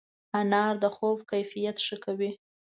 انار د خوب کیفیت ښه کوي.